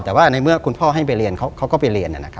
แต่ว่าในเมื่อคุณพ่อให้ไปเรียนเขาก็ไปเรียน